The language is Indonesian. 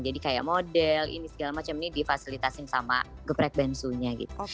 jadi kayak model ini segala macam ini difasilitasi sama geprek bensunya gitu